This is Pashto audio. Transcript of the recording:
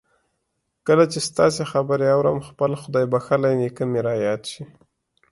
کله چې ستاسې خبرې آورم خپل خدای بخښلی نېکه مې را یاد شي